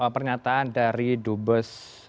pernyataan dari dubes